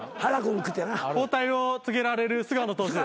交代を告げられる菅野投手。